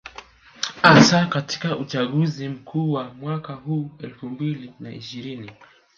Hasa katika uchaguzi mkuu wa mwaka huu elfu mbili na ishirini